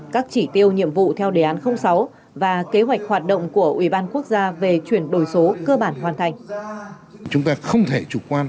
các chỉ tiêu nhiệm vụ theo đề án sáu và kế hoạch hoạt động của ủy ban quốc gia về chuyển đổi số cơ bản hoàn thành